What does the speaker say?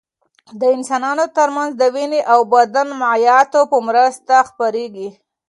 د انسانانو تر منځ د وینې او بدن مایعاتو په مرسته خپرېږي.